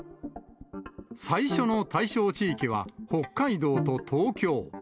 最初の対象地域は北海道と東京。